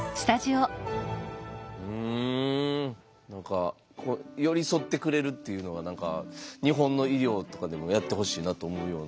何か寄り添ってくれるっていうのは何か日本の医療とかでもやってほしいなと思うような。